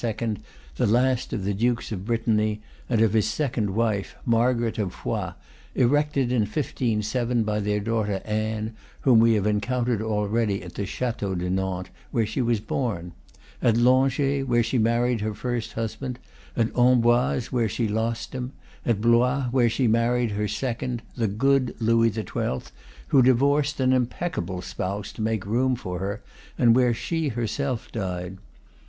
the last of the Dukes of Brittany, and of his second wife, Margaret of Foix, erected in 1507 by their daughter Anne, whom we have encountered already at the Chateau de Nantes, where she was born; at Langeais, where she married her first husband; at Amboise, where she lost him; at Blois, where she married her second, the "good" Louis XII., who divorced an impeccable spouse to make room for her, and where she herself died.